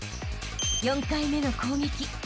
［４回目の攻撃］